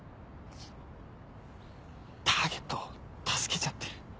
ターゲットを助けちゃって。